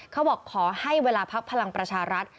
ขอให้เวลาพักพลังประชารัฐ